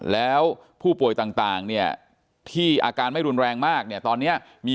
แล้วผู้ป่วยต่างเนี่ยที่อาการไม่รุนแรงมากเนี่ยตอนนี้มี